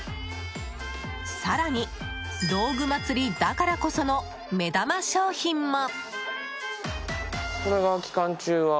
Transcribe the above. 更に道具まつりだからこその目玉商品も。